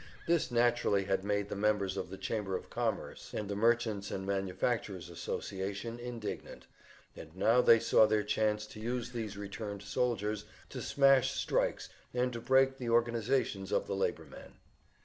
This naturally had made the members of the Chamber of Commerce and the Merchants' and Manufacturers' Association indignant, and now they saw their chance to use these returned soldiers to smash strikes and to break the organizations of the labor men.